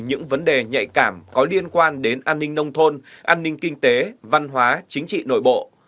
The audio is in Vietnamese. những vấn đề nhạy cảm có liên quan đến an ninh nông thôn an ninh kinh tế văn hóa chính trị nội bộ